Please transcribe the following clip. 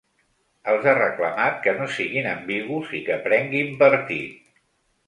Els ha reclamat que no siguin ambigus i que prenguin partit.